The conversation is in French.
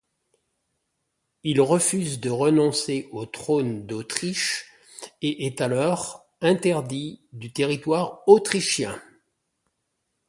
Il refuse de renoncer au trône d’Autriche et est alors interdit du territoire autrichien.